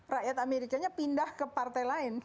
rakyat amerikanya pindah ke partai lain